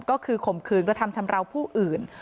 ก็คือข่มขืนกระทำชำราวผู้อื่น